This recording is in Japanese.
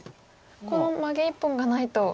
このマゲ１本がないと。